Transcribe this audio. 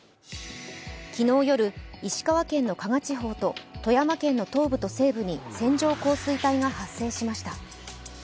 昨日夜、石川県の加賀地方と、富山県の東部と西部に線状降水帯が発生しました。